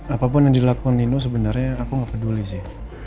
apapun yang dilakukan nino sebenarnya aku nggak peduli sih